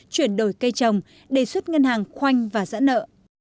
chuyển đổi cây trồng đề xuất ngân hàng khoanh và giãn nợ